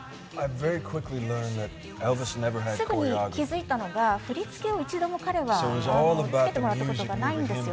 すぐに気づいたのが、振り付けを一度もつけてもらったことがないんです。